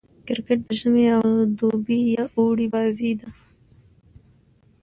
کرکټ د ژمي او دوبي يا اوړي بازي ده.